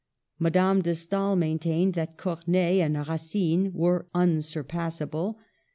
Madame de Stael maintained that Corneill6 and Racine were unsurpassable.